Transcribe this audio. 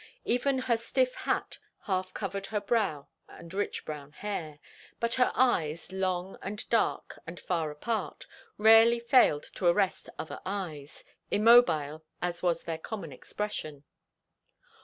Even her stiff hat half covered her brow and rich brown hair, but her eyes, long and dark and far apart, rarely failed to arrest other eyes, immobile as was their common expression.